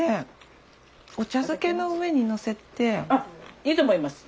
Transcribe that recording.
これいいと思います。